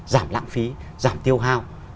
giảm lãng phí giảm tiêu hao